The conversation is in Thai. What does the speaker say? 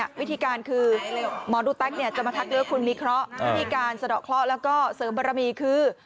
วิธีการคือหมอดูแต๊กจะมาทักด้วยคุณวิเคราะห์วิธีการสะดอกเคราะห์แล้วก็เสริมบารมีคือ